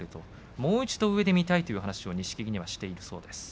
もう一度上で見たいという話を錦木にはしているそうです。